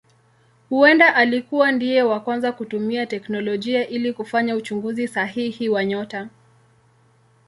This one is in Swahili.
Huenda alikuwa ndiye wa kwanza kutumia teknolojia ili kufanya uchunguzi sahihi wa nyota.